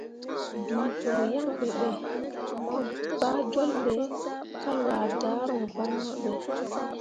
Bii vər yaŋ ɓe be, mo gbah jol ɓe ka lwa daruŋ voŋno də.